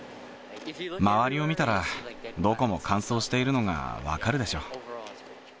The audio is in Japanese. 周りを見たら、どこも乾燥しているのが分かるでしょ。